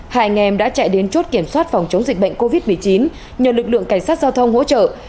hai anh em đã chạy đến chốt kiểm soát phòng chống dịch bệnh covid một mươi chín nhờ lực lượng cảnh sát giao thông hỗ trợ